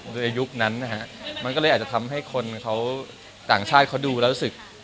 ยุคนั้นนะฮะมันก็เลยอาจจะทำให้คนเขาต่างชาติเขาดูแล้วรู้สึก